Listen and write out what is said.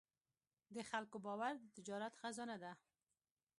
د خلکو باور د تجارت خزانه ده.